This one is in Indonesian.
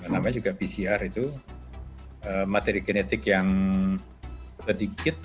namanya juga pcr itu materi genetik yang sedikit